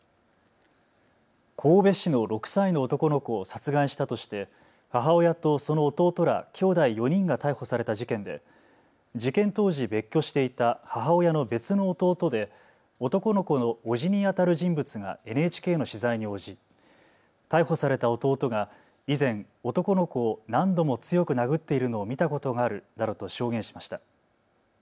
神戸市の６歳の男の子を殺害したとして母親とその弟らきょうだい４人が逮捕された事件で事件当時、別居していた母親の別の弟で男の子の叔父にあたる人物がＮＨＫの取材に応じ逮捕された弟が以前、男の子を何度も強く殴っているのを見たことがあるなどと証言しました。